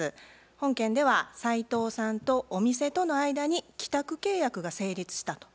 本件では斉藤さんとお店との間に寄託契約が成立したといえるでしょう。